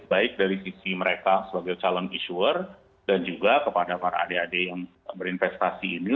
baik dari sisi mereka sebagai calon issure dan juga kepada para adik adik yang berinvestasi ini